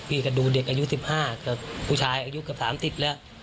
พี่ก็ดูเด็กอายุสิบห้าเกือบผู้ชายอายุเกือบสามสิบแล้ว